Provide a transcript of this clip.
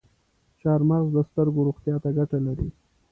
چارمغز د سترګو روغتیا ته ګټه لري.